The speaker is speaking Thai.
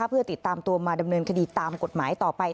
เพื่อติดตามตัวมาดำเนินคดีตามกฎหมายต่อไป